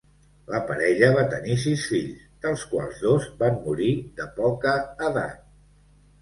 La parella va tenir sis fills, dels quals dos van morir de poca edat.